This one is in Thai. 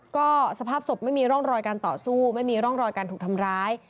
ก็สภาพศพไม่มีร่องรอยการต่อสู้ไม่มีร่องรอยการถูกทำร้าย